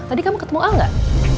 tadi kamu ketemu a gak